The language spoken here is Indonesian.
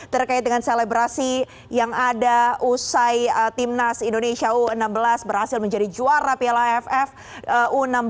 terkait dengan selebrasi yang ada usai timnas indonesia u enam belas berhasil menjadi juara piala aff u enam belas